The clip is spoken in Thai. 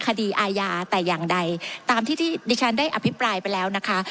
คดีอาญาแต่อย่างใดตามที่ที่ดิฉันได้อภิปรายไปแล้วนะคะ